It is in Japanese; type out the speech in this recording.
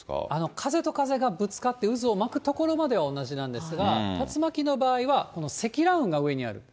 風と風がぶつかって渦を巻くところまでは同じなんですが、竜巻の場合は、この積乱雲がそこにある。